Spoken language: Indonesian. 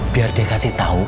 biar dia kasih tau